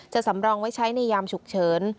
สำรองไว้ใช้ในยามฉุกเฉิน